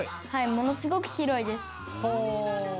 ものすごく広いです」